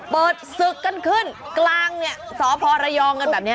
เปิดศึกกันขึ้นกลางเนี่ยสพระยองกันแบบนี้